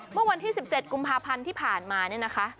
เมื่อวันที่๑๗กุมภาพันธ์ที่ผ่านมาเนี่ยนะคะ